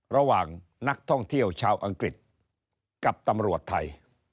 ระหว่างนักท่องเที่ยวชาวอังกฤษกับตำรวจไทย